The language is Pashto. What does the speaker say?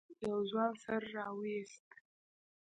يوه ځوان سر راويست.